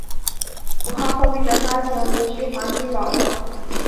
符号货币的发行无须黄金保证。